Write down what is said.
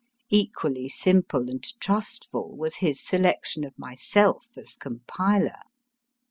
Equally simple and trustful was his selection of myself as compiler.